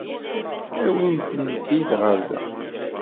Awimt-tent-id ɣer da.